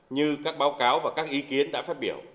như các báo cáo và các ý kiến đã phát biểu